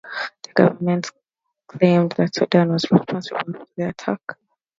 The government claimed that Sudan was responsible for the attack.